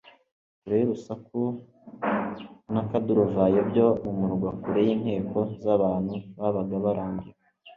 kure y'urusaku n'akaduruvayo byo mu murwa kure y'inteko z'abantu babaga barambiwe,